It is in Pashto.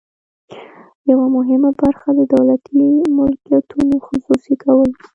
یوه مهمه برخه د دولتي ملکیتونو خصوصي کول وو.